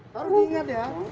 harus diingat ya